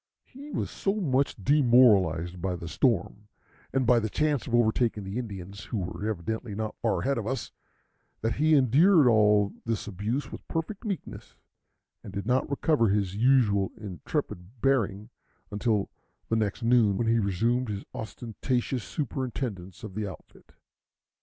He was so much demoralized by the storm, and by the chance of overtaking the Indians, who were evidently not far ahead of us, that he endured all this abuse with perfect meekness, and did not recover his usual intrepid bearing until the next noon, when he resumed his ostentatious superintendence of the outfit.